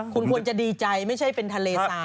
คุณควรจะดีใจไม่ใช่เป็นทะเลทราย